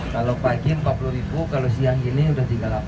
kalau pagi rp empat puluh kalau siang ini sudah rp tiga puluh delapan